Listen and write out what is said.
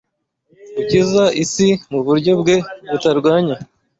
Gukiza isi muburyo bwe butarwanya